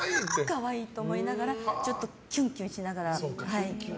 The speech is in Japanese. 可愛いって思いながらちょっとキュンキュンしながら。